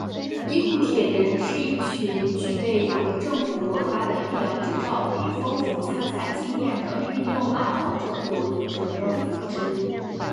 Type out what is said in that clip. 医护铁人是一群具备有政府核发的医疗执照与丰富参赛经验的运动爱好者所组成的组织。